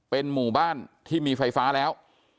เป็นหมู่บ้านที่มีไฟฟ้าแล้ว